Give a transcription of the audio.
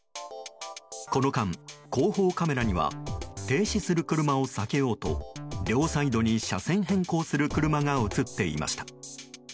この間、後方カメラには停止する車を避けようと両サイドに車線変更する車が映っていました。